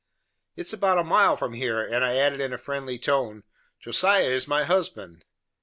"It is about a mile from here," and I added in a friendly tone, "Josiah is my husband."